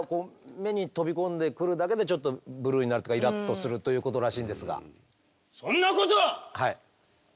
目に飛び込んでくるだけでちょっとブルーになるとかイラッとするということらしいんですが。